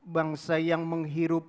bangsa yang menghirup